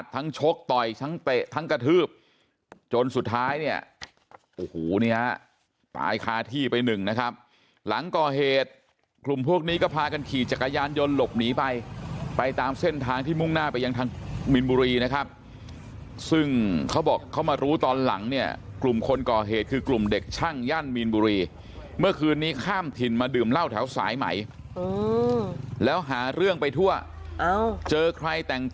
ชกต่อยทั้งเตะทั้งกระทืบจนสุดท้ายเนี่ยโอ้โหเนี่ยตายคาที่ไปหนึ่งนะครับหลังก่อเหตุกลุ่มพวกนี้ก็พากันขี่จักรยานยนต์หลบหนีไปไปตามเส้นทางที่มุ่งหน้าไปยังทางมีนบุรีนะครับซึ่งเขาบอกเขามารู้ตอนหลังเนี่ยกลุ่มคนก่อเหตุคือกลุ่มเด็กช่างย่านมีนบุรีเมื่อคืนนี้ข้ามถิ่นมาดื่มเหล้าแถวสายใหม่แล้วหาเรื่องไปทั่วเจอใครแต่ง